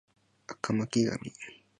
赤巻紙